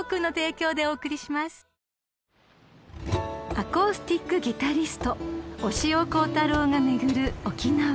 ［アコースティックギタリスト押尾コータローが巡る沖縄］